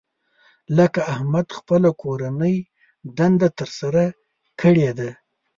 لکه احمد خپله کورنۍ دنده تر سره کړې ده.